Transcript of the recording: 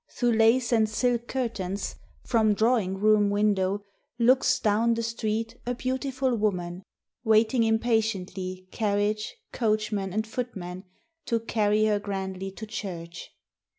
Through lace and silk curtains, from drawing room window, looks down the street a beautiful woman, waiting impatiently carriage, coachman, and footman, to carry her grandly to church.